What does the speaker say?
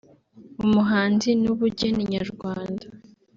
ubuhanzi n’ubugeni nyarwanda